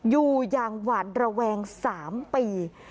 อยู่อย่างหวาดระแวง๓ปี